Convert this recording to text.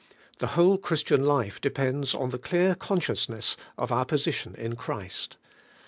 The whole Christian life depends on the clear con sciousness of our position in Christ.